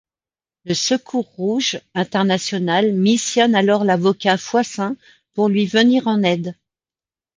Le Secours rouge international missionne alors l'avocat Foissin pour lui venir en aide.